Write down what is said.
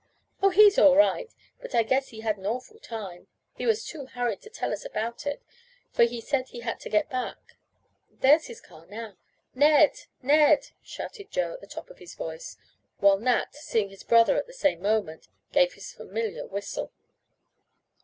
"Oh, he's all right, but I guess he had an awful time. He was too hurried to tell us about it, for he said he had to go back There's his car now! Ned! Ned!" shouted Joe at the top of his voice, while Nat, seeing his brother at the same moment, gave his familiar whistle.